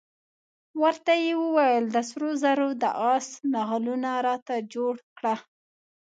ورته یې وویل د سرو زرو د آس نعلونه راته جوړ کړه.